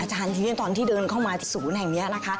อาจารย์ทีนี้ตอนที่เดินเข้ามาสู่แห่งนี้นะคะ